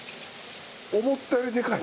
思ったよりでかい。